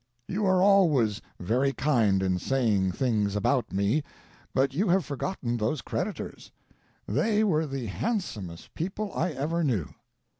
You are always very kind in saying things about me, but you have forgotten those creditors. They were the handsomest people I ever knew.